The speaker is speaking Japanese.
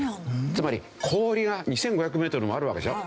つまり氷が２５００メートルもあるわけでしょ。